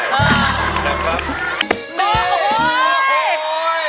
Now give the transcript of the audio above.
นะครับ